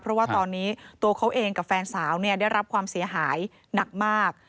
เพราะว่าตอนนี้ตัวเขาเองกับแฟนสาวได้รับความเสียหายหนักมาก